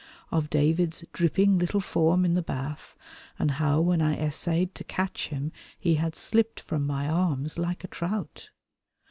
Of David's dripping little form in the bath, and how when I essayed to catch him he had slipped from my arms like a trout.